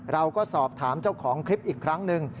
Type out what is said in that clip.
เราก็สอบถามเจ้าของคลิปอีกครั้งหนึ่ง